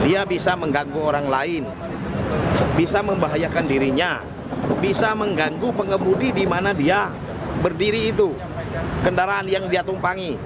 dia bisa mengganggu orang lain bisa membahayakan dirinya bisa mengganggu pengemudi di mana dia berdiri itu kendaraan yang dia tumpangi